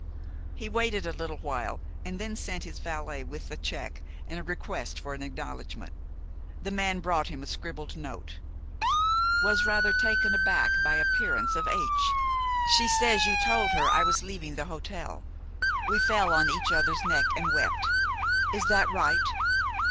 He waited a little while, and then sent his valet with the check and a request for an acknowledgment. The man brought him a scribbled note: "Was rather taken aback by appearance of H. She says you told her I was leaving the hotel. We fell on each other's neck and wept. Is that right?